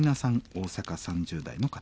大阪３０代の方。